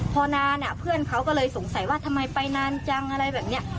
พอนานเพื่อนเขาก็เลยสงสัยว่าทำไมไปนานจังอะไรแบบนี้